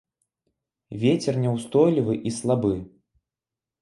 Вецер няўстойлівы і слабы.